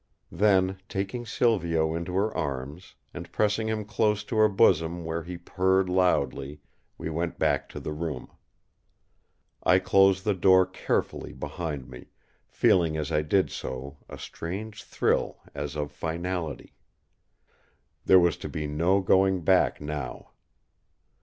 Then taking Silvio into her arms, and pressing him close to her bosom where he purred loudly, we went back to the room. I closed the door carefully behind me, feeling as I did so a strange thrill as of finality. There was to be no going back now.